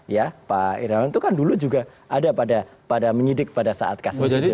ya pak iryawan itu kan dulu juga ada pada menyidik pada saat kasus